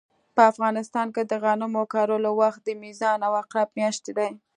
په افغانستان کې د غنمو کرلو وخت د میزان او عقرب مياشتې دي